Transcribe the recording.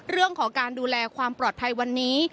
เรื่องของการดูแลความปลอดภัยวันนี้